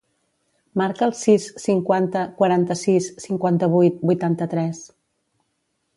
Marca el sis, cinquanta, quaranta-sis, cinquanta-vuit, vuitanta-tres.